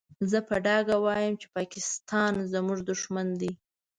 زه په ډاګه وايم چې پاکستان زموږ دوښمن دی.